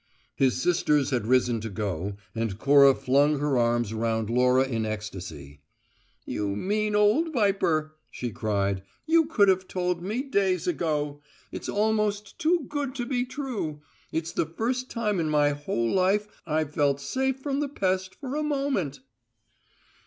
His sisters had risen to go, and Cora flung her arms round Laura in ecstacy. "You mean old viper!" she cried. "You could have told me days ago! It's almost too good to be true: it's the first time in my whole life I've felt safe from the Pest for a moment!"